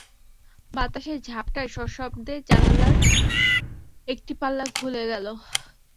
বাতাসের ঝাপটায় সশব্দে জানালার একটি পাল্লা খুলে গেল।